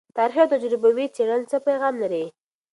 تاریخي او تجربوي څیړنې څه پیغام لري؟